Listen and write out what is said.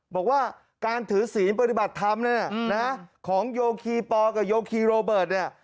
บอกว่าการถือศีลปฏิบัติธรรมเนี้ยนะฮะของโยคีปอและโยคีโรเบิร์ตเนี้ย